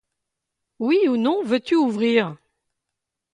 Oui ou non, veux-tu ouvrir ?